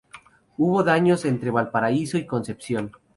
Hubo daños entre Valparaíso y Concepción.